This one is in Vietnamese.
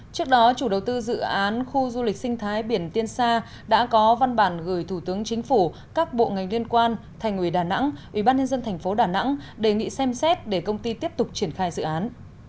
trước đó chủ đầu tư dự án khu du lịch sinh thái biển tiên sa đã có văn bản gửi thủ tướng chính phủ các bộ ngành liên quan thành ủy đà nẵng ủy ban nhân dân thành phố đà nẵng đề nghị xem xét để công ty tiếp tục triển khai dự án